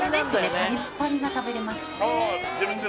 パリッパリが食べれます